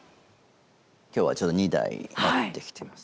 今日はちょっと２台持ってきてます。